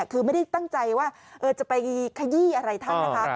คือไม่ได้ตั้งใจว่าจะไปขยี้อะไรท่านนะคะ